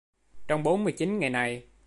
trong bốn mươi chín ngày này